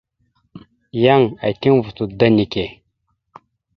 Yan eteŋ voto da neke.